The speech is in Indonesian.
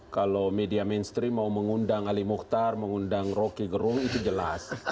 kalau media mainstream mau mengundang ali mukhtar mengundang rocky gerung itu jelas